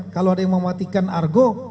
kalau ada yang mematikan argo